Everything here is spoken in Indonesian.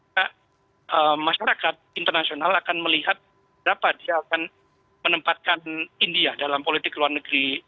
maka masyarakat internasional akan melihat berapa dia akan menempatkan india dalam politik luar negeri